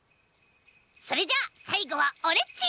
それじゃさいごはオレっち！